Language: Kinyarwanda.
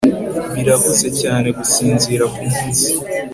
birahuze cyane gusinzira kumunsi